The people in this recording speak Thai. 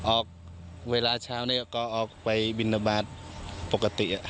ออกเวลาเช้านี้ก็ออกไปบินทบาทปกติ